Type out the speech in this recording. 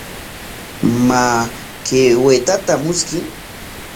Maa, kay waytata mushkuy.